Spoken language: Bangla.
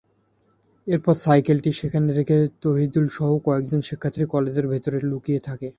এরপর সাইকেলটি সেখানে রেখে তৌহিদুলসহ কয়েকজন শিক্ষার্থী কলেজের ভেতরে লুকিয়ে থাকে।